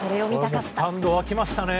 スタンドが沸きましたね。